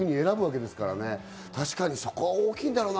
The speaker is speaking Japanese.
確かにそこは大きいんだろうな。